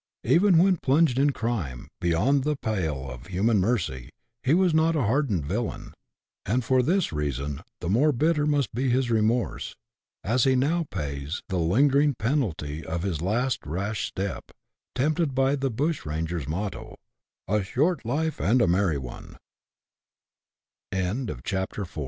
Even when plunged in crime, beyond the pale of human mercy, he w^as not a hardened villain ; and for this reason the more bitter must be his remorse, as he now pays the lingering penalty of his last rash step, tempted by the bushranger's